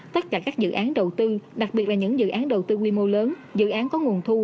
tất cả các dự án đầu tư đặc biệt là những dự án đầu tư quy mô lớn dự án có nguồn thu